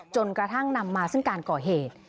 จนกระทั่งนำมาซึ่งการก่อเหตุ